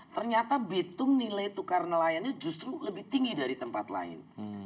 ternyata bitung nilai tukar nelayannya justru lebih tinggi dari tempat lain